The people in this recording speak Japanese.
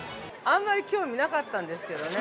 ◆あんまり興味なかったんですけどね。